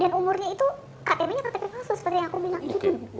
dan umurnya itu ktm nya kata kata langsung seperti yang aku bilang